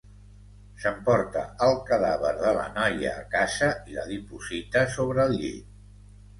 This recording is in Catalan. S’emporta el cadàver de la noia a casa i la diposita sobre el llit.